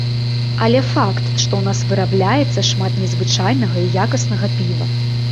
Але факт, што ў нас вырабляецца шмат незвычайнага і якаснага піва.